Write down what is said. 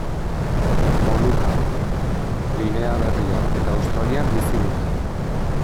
Molukak, Ginea Berria eta Australian bizi dira.